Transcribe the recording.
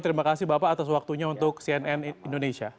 terima kasih bapak atas waktunya untuk cnn indonesia